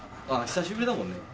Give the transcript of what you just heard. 久しぶりだもんね。